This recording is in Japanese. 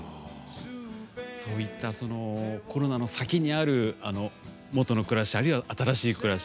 そういったコロナの先にある元の暮らしあるいは新しい暮らし